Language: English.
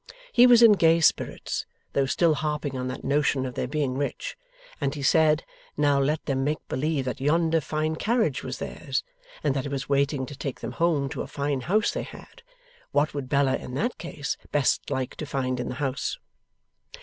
He was in gay spirits, though still harping on that notion of their being rich; and he said, now let them make believe that yonder fine carriage was theirs, and that it was waiting to take them home to a fine house they had; what would Bella, in that case, best like to find in the house?